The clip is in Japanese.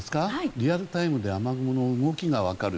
リアルタイムで雨雲の動きが分かる。